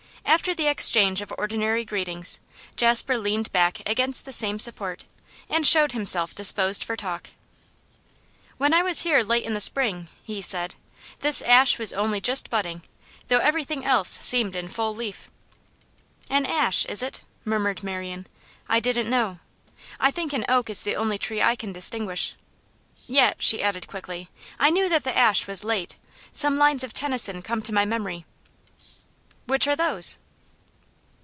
After the exchange of ordinary greetings, Jasper leaned back against the same support and showed himself disposed for talk. 'When I was here late in the spring,' he said, 'this ash was only just budding, though everything else seemed in full leaf.' 'An ash, is it?' murmured Marian. 'I didn't know. I think an oak is the only tree I can distinguish. Yet,' she added quickly, 'I knew that the ash was late; some lines of Tennyson come to my memory.' 'Which are those?